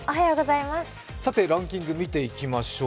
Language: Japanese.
さてランキング見ていきましょう。